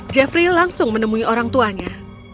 jeffrey langsung menemui orang tuanya